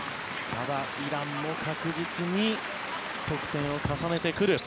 ただ、イランも確実に得点を重ねてくる。